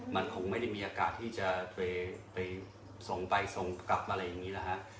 มันคงไม่ได้มีโอกาสที่จะไปส่งไปส่งกลับอะไรอย่างนี้นะฮะ